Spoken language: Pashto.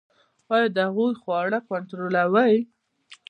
ایا د هغوی خواړه کنټرولوئ؟